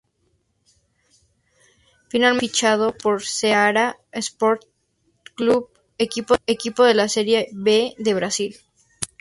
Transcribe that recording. Finalmente, fue fichado por Ceará Sporting Club, equipo de la Serie B de Brasil.